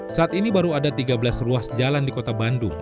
saat ini baru ada tiga belas ruas jalan di kota bandung